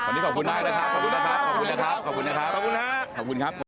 วันนี้ขอบคุณมากนะครับขอบคุณครับ